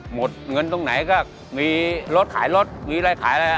หมดเงินตรงไหนก็มีรถขายรถมีอะไรขายอะไร